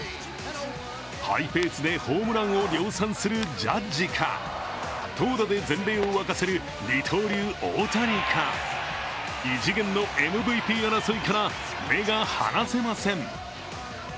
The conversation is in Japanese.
ハイペースでホームランを量産するジャッジか投打で全米を沸かせる二刀流・大谷か、異次元のＭＶＰ争いから目が離せません。